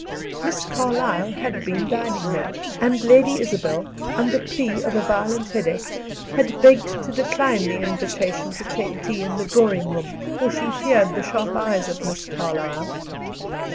Miss Carlyle had been dining there, and Lady Isabel, under plea of a violent headache, had begged to decline the invitation to take tea in the drawing room, for she feared the sharp eyes of Miss Carlyle.